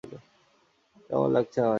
কেমন লাগছে আমায়?